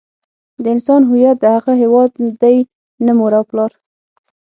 د انسان هویت د هغه هيواد دی نه مور او پلار.